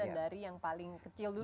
dan dari yang paling kecil dulu